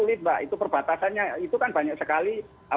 itu perbatasannya itu kan banyak sekali